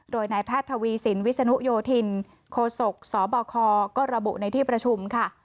โดยนายแพทย์ทวีสินวิศนุโยธินโคศกสบคก็ระบุในที่ประชุมค่ะ